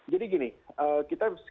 jadi gini kita